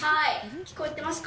聞こえてますか？